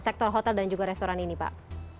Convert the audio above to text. sektor hotel dan juga restoran ini pak